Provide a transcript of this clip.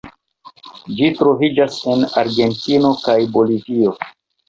Ĝi troviĝas en Argentino kaj Bolivio.